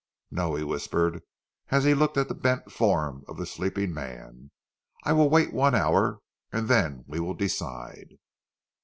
"No," he whispered, as he looked at the bent form of the sleeping man. "I will wait one hour, and then we will decide."